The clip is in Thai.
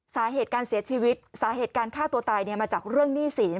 สาเหตุการเสียชีวิตสาเหตุการฆ่าตัวตายมาจากเรื่องหนี้สิน